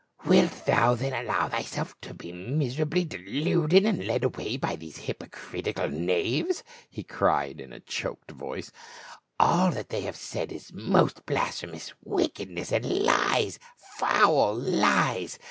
"Wilt thou then allow thyself to be miserably de luded and led away by these hypocritical knaves," he cried in a choked voice; "all that they have said is most blasphemous wickedness, and lies — foul lies